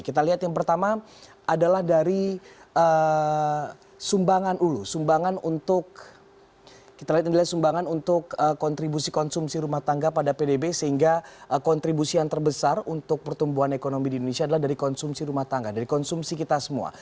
kita lihat yang pertama adalah dari sumbangan untuk kontribusi konsumsi rumah tangga pada pdb sehingga kontribusi yang terbesar untuk pertumbuhan ekonomi di indonesia adalah dari konsumsi rumah tangga dari konsumsi kita semua